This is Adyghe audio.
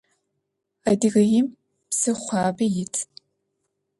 Адыгеим псыхъуабэ ит.